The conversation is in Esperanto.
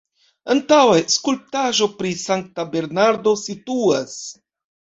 Antaŭe skulptaĵo pri Sankta Bernardo situas.